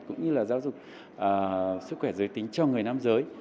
cũng như là giáo dục sức khỏe giới tính cho người nam giới